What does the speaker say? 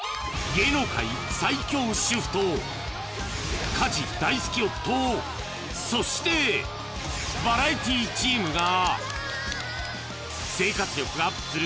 ［芸能界最強主婦と家事大好き夫そしてバラエティチームが］